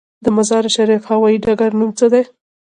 د مزار شریف هوايي ډګر نوم څه دی؟